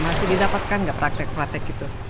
masih didapatkan nggak praktek praktek itu